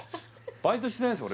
バイトしてないです